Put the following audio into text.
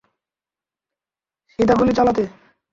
সিদা গুলি চালাতে।